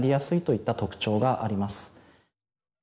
といった特徴があります。